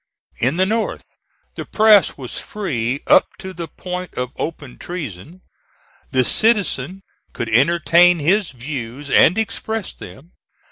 In the North the press was free up to the point of open treason. The citizen could entertain his views and express them.